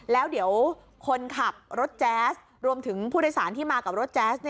แล้วเดี๋ยวคนขับรถแจ๊สรวมถึงผู้โดยสารที่มากับรถแจ๊ส